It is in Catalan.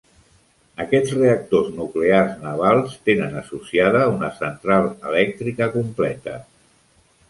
Aquests reactors nuclears navals tenen associada una central elèctrica completa.